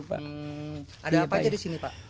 ada apa aja di sini pak